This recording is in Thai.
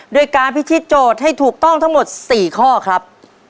ด้วยการพิธีโจทย์ให้ถูกต้องทั้งหมด๔ข้อครับ